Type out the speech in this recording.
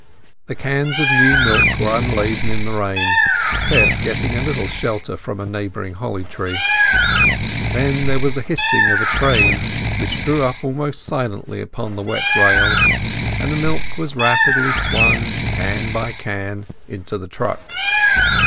The cans of new milk were unladen in the rain, Tess getting a little shelter from a neighbouring holly tree. Then there was the hissing of a train, which drew up almost silently upon the wet rails, and the milk was rapidly swung can by can into the truck.